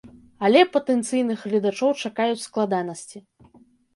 Але патэнцыйных гледачоў чакаюць складанасці.